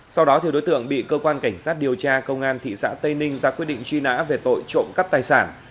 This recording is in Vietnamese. sau đó đối tượng bị cơ quan cảnh sát điều tra công an thị xã tây ninh ra quyết định truy nã về tội trộm cắp tài sản